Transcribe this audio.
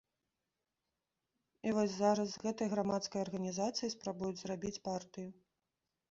І вось зараз з гэтай грамадскай арганізацыі спрабуюць зрабіць партыю.